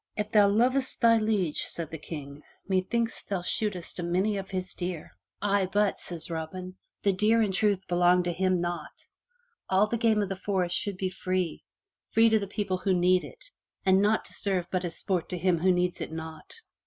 "If thou lovest thy liege," said the King, "methinks thou shootest a many of his deer." MY BOOK HOUSE "Aye, but/' says Robin, "the deer in truth belong to him not — all the game of the forest should be free, free to the people who need it, and not to serve but as sport to him who needs it not.